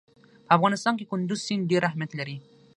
په افغانستان کې کندز سیند ډېر اهمیت لري.